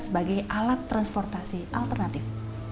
sebagai alat transportasi alternatif